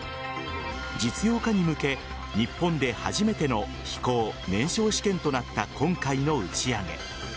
実用化に向け日本で初めての飛行・燃焼試験となった今回の打ち上げ。